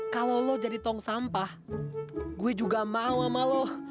kalau lo jadi tong sampah gue juga mau sama lo